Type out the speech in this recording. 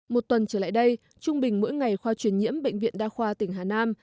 một tuần trở lại đây trung bình mỗi ngày khoa truyền nhiễm bệnh viện đa khoa tỉnh hà nam